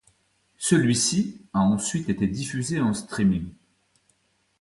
Celui-ci a ensuite été diffusé en streaming.